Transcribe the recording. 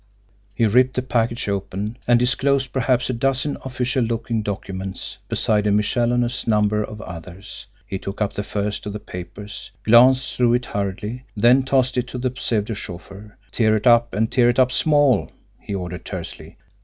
He ripped the package open, and disclosed perhaps a dozen official looking documents, besides a miscellaneous number of others. He took up the first of the papers, glanced through it hurriedly, then tossed it to the pseudo chauffeur. "Tear it up, and tear it up SMALL!" he ordered tersely.